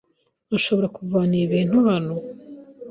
Urashobora kuvana ibi bintu hano?